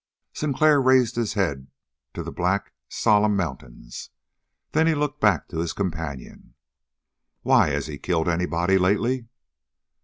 Sinclair raised his head to the black, solemn mountains. Then he looked back to his companion. "Why, has he killed anybody lately?"